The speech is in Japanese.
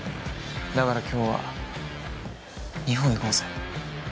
だから今日は２本いこうぜ。